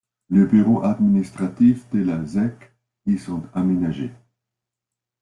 Les bureaux administratifs de la zec y sont aménagés.